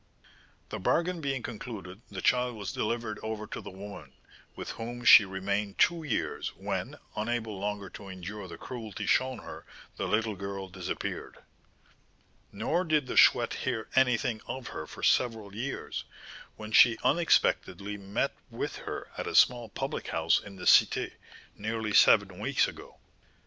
"The bargain being concluded, the child was delivered over to the woman, with whom she remained two years, when, unable longer to endure the cruelty shown her, the little girl disappeared; nor did the Chouette hear anything of her for several years, when she unexpectedly met with her at a small public house in the Cité, nearly seven weeks ago.